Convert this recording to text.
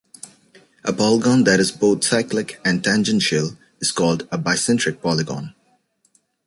A polygon that is both cyclic and tangential is called a bicentric polygon.